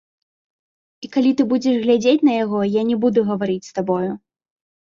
І калі ты будзеш глядзець на яго, я не буду гаварыць з табою.